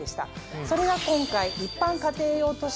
それが今回。